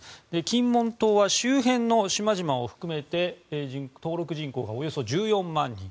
金門島は周辺の島々を含めて登録人口がおよそ１４万人。